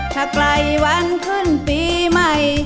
ถ้าไกลวันขึ้นปีใหม่